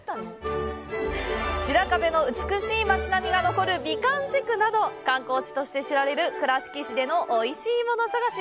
白壁の美しい町並みが残る美観地区など、観光地として知られる倉敷市でのおいしいもの探し。